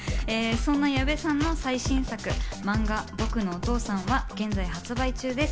そんな矢部さんの最新作、漫画『ぼくのお父さん』は現在、発売中です。